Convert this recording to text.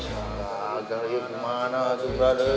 agar agar gimana tuh brader